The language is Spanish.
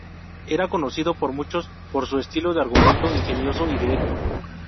Era conocido por muchos por su estilo de argumento ingenioso y directo.